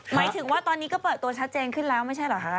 หมายถึงว่าตอนนี้ก็เปิดตัวชัดเจนขึ้นแล้วไม่ใช่เหรอคะ